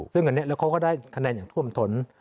ซึ่งอันนี้แล้วเขาก็ได้คะแนนอย่างท่วมทน